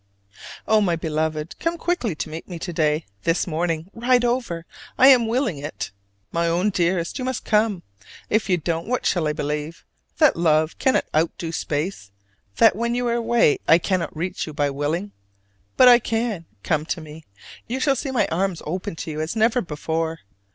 Oh, my Beloved, come quickly to meet me to day: this morning! Ride over; I am willing it. My own dearest, you must come. If you don't, what shall I believe? That Love cannot outdo space: that when you are away I cannot reach you by willing. But I can: come to me! You shall see my arms open to you as never before.